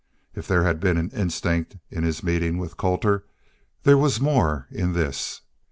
If there had been an instinct in his meeting with Colter, there was more in this.